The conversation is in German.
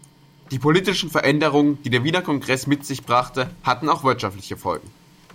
Die politischen Veränderungen, die der Wiener Kongress mit sich brachte, hatten auch wirtschaftliche Folgen.